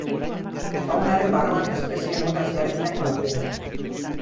Faunaren barruan espezie mota ezberdinak daude.